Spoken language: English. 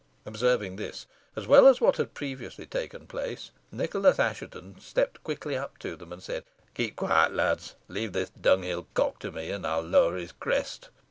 Observing this, as well as what had previously taken place, Nicholas Assheton stepped quickly up to them, and said "Keep quiet, lads. Leave this dunghill cock to me, and I'll lower his crest."